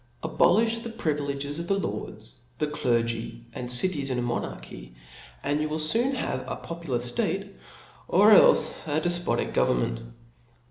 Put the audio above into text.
Abolifh the privileges of the lords, the clergy, and cities in a monarchy, and you will fopn havf a popular ftate^^ or elfe ^ defpotic government.